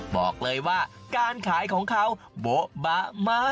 บอกเลยว่าการขายของเขาโบ๊ะบะมาก